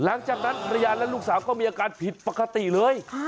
หลังจากนั้นภรรยาและลูกสาวก็มีอาการผิดปกติเลย